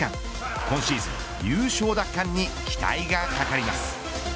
今シーズン優勝奪還に期待がかかります。